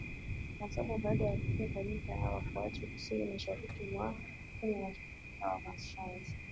na saba baada ya kufyeka Nyika ya Wakuafi kusini mashariki mwa Kenya washambuliaji Wamasai